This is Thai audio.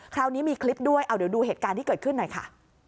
คราวนี้มีคลิปด้วยเอาเดี๋ยวดูเหตุการณ์ที่เกิดขึ้นหน่อยค่ะ